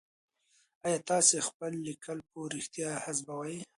آيا تاسي خپل ليکل په رښتيا حذفوئ ؟